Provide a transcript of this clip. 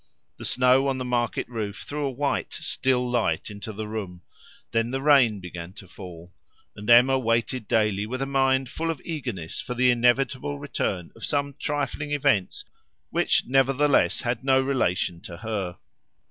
The snow on the market roof threw a white, still light into the room; then the rain began to fall; and Emma waited daily with a mind full of eagerness for the inevitable return of some trifling events which nevertheless had no relation to her.